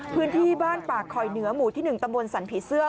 พื้นที่บ้านปากคอยเหนือหมู่ที่๑ตำบลสันผีเสื้อ